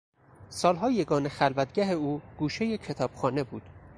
سالها یگانه خلوتگاه او گوشهی کتابخانه بود.